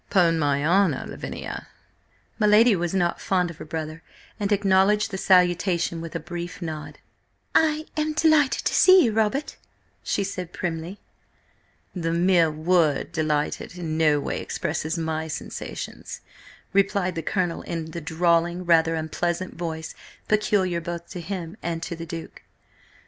"'Pon my honour–Lavinia!" My lady was not fond of her brother, and acknowledged the salutation with a brief nod. "I am delighted to see you, Robert," she said primly. "The mere word 'delighted' in no way expresses my sensations," replied the Colonel in the drawling, rather unpleasant voice peculiar both to him and to the Duke.